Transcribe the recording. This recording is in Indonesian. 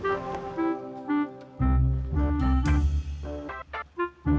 kalau saya sama satria